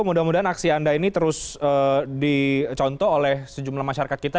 mudah mudahan aksi anda ini terus dicontoh oleh sejumlah masyarakat kita